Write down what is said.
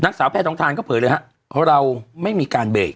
นักสาวแพทย์ท้องทานก็เผยเลยฮะเพราะเราไม่มีการเบรก